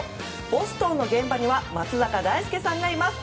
ボストンの現場には松坂大輔さんがいます。